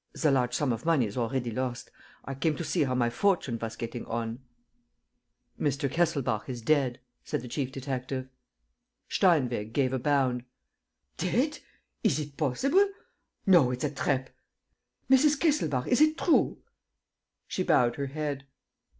"The large sum of money is already lost. I came to see how my fortune was getting on." "Mr. Kesselbach is dead," said the chief detective. Steinweg gave a bound: "Dead! Is it possible? No, it's a trap. Mrs. Kesselbach, is it true?" She bowed her head.